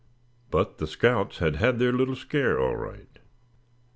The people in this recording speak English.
But the scouts had had their little scare all right.